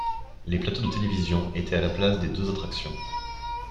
Les plateaux de télévision étaient à la place des deux attractions.